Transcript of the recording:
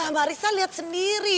mbak rissa lihat sendiri